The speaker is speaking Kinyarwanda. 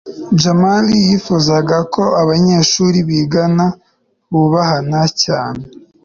jamali yifuzaga ko abanyeshuri bigana bubahana cyane